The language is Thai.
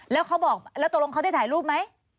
อ๋อแล้วตกลงเขาได้ถ่ายรูปไหม